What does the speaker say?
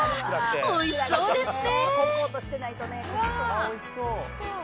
おいしそうですね。